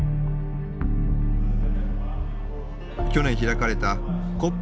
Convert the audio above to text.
去年開かれたＣＯＰ